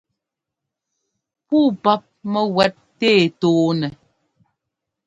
Puu páp mɛ́gúɛ́t tɛ́ tɔɔnɛ́.